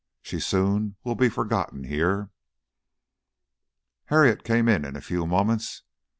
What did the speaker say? She soon will be forgotten here." Harriet came in a few moments.